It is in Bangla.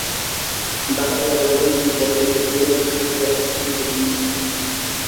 ডাকাতেরা দরজা ভেঙে ঘরে ঢুকে পরিবারের সদস্যদের অস্ত্রের মুখে জিম্মি করে ফেলে।